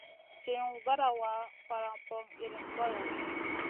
Ciwn vada wa, faran poŋ iyrim goyo.